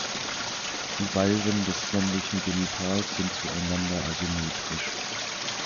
Die Valven des männlichen Genitals sind zueinander asymmetrisch.